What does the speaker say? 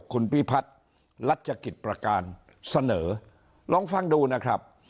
คุณพิพัฒน์รัชกิจประการเสนอลองฟังดูนะครับ